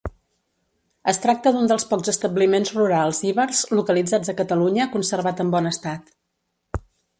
Es tracta d'un dels pocs establiments rurals ibers localitzats a Catalunya conservat en bon estat.